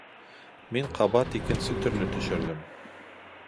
Мин ҡабат икенсе төрлө төшөрҙөм.